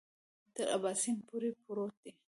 تر اباسین پورې پروت دی.